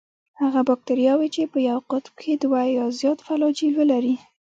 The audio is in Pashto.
هغه باکتریاوې چې په یو قطب کې دوه یا زیات فلاجیل ولري.